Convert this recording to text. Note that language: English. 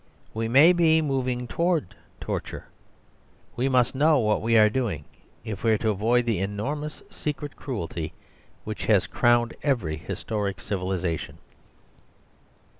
We may be moving towards torture. We must know what we are doing, if we are to avoid the enormous secret cruelty which has crowned every historic civilisation.